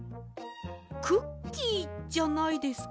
クッキーじゃないですか？